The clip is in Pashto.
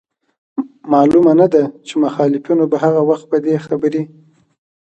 معلومه نه ده چي مخالفينو به هغه وخت په دې خبري